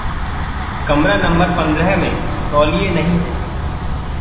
कमरा नम्बर पंद्राह में तौलिये नहीं हैं।